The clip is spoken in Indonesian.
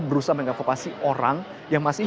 berusaha mengevakuasi orang yang masih